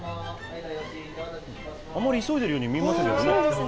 あまり急いでるようには見えませんね。